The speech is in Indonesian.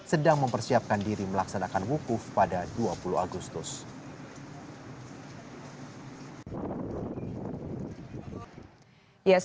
sedang mempersiapkan diri melaksanakan wukuf pada dua puluh agustus